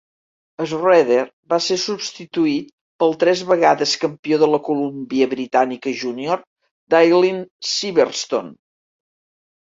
Schraeder va ser substituït pel tres vegades campió de la Columbia Britànica Junior, Dailene Sivertson.